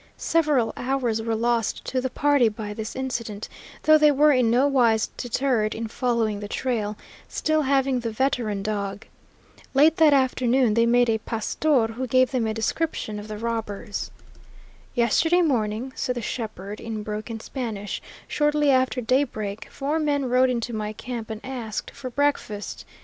Several hours were lost to the party by this incident, though they were in no wise deterred in following the trail, still having the veteran dog. Late that afternoon they met a pastor who gave them a description of the robbers. "Yesterday morning," said the shepherd, in broken Spanish, "shortly after daybreak, four men rode into my camp and asked for breakfast.